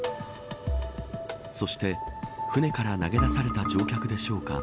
そして、舟から投げ出された乗客でしょうか。